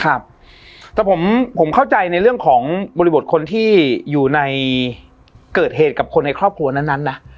ครับแต่ผมเข้าใจในเรื่องของบริบทคนที่อยู่ในเกิดเหตุกับคนในครอบครัวนั้นนะ